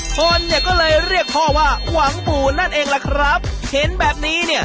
คนเนี่ยก็เลยเรียกพ่อว่าหวังปู่นั่นเองล่ะครับเห็นแบบนี้เนี่ย